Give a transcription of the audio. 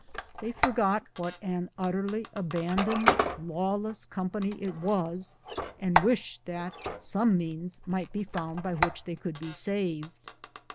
They forgot what an utterly abandoned, lawless company it was, and washed that some means might be found by which they could be saved.